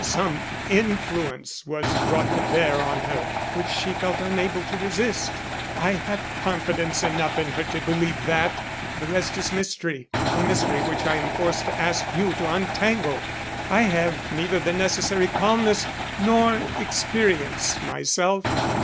Some influence was brought to bear on her which she felt unable to resist. I have confidence enough in her to believe that. The rest is mystery a mystery which I am forced to ask you to untangle. I have neither the necessary calmness nor experience myself."